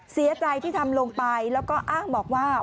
เสียใจที่ทำลงไปแล้วก็อ้างบอกว่า